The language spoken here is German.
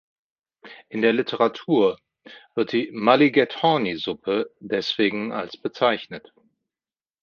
In der Literatur wird die "Mulligatawny-Suppe" deswegen als bezeichnet.